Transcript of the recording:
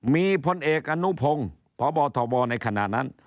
มีพลเอกอนุพงศ์พบทบในขณะนั้น